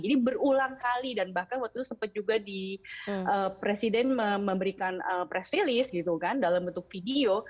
jadi berulang kali dan bahkan waktu itu sempat juga presiden memberikan press release dalam bentuk video